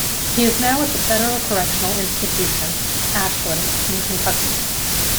He is now at the Federal Correctional Institution, Ashland, in Kentucky.